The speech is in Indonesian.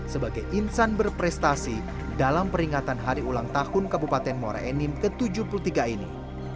sebagai insan berprestasi dalam peringatan hari ulang tahun kabupaten muara enim ke tujuh puluh tiga ini